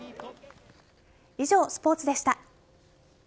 以上、スポーツでした。